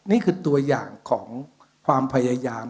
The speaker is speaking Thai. นี่คือตัวอย่างของความพยายาม